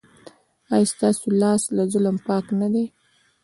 ایا ستاسو لاس له ظلم پاک نه دی؟